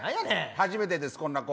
初めてです、こんな子。